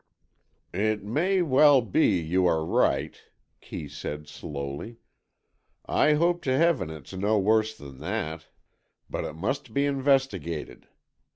"It may well be you are right," Kee said, slowly. "I hope to Heaven it's no worse than that. But it must be investigated.